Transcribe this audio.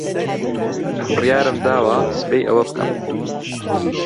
بڕیارم داوە سبەی ئەوە بکەم.